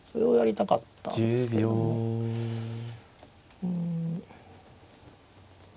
うん。